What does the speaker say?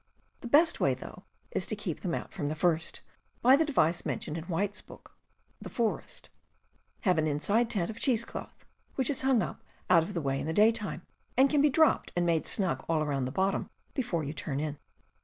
The best way, though, is to keep them out from the first, by the device men tioned in White's book The Forest: have an inside tent of cheese cloth, which is hung up out of the way in the daytime, and can be dropped and made snug all around the bottom before you turn in.